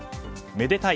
めでたい！